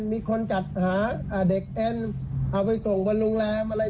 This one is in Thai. มีคนจัดหาเด็กแอนเอาไปส่งบนโรงแรมอะไร